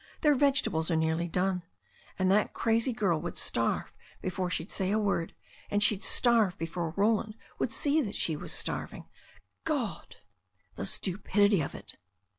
Their vegetables are nearly done. And that crazy girl would starve before she'd say a word, and she'd starve before Ro land would see that she was starving I God I The stupidity of it